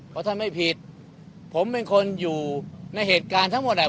เพราะท่านไม่ผิดผมเป็นคนอยู่ในเหตุการณ์ทั้งหมดอ่ะ